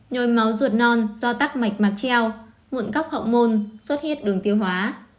viêm máu ruột non do tắc mạch mạc treo muộn cóc hậu môn suốt hiết đường tiêu hóa